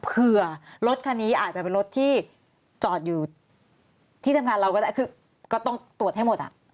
รถคันนี้อาจจะเป็นรถที่จอดอยู่ที่ทำงานเราก็ได้คือก็ต้องตรวจให้หมดอ่ะ